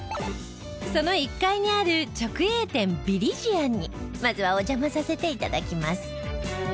その１階にある直営店ヴィリジアンにまずはお邪魔させて頂きます。